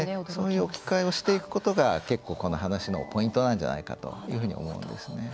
そういう置き換えをしていくことが結構、この話のポイントなんじゃないかというふうに思うんですね。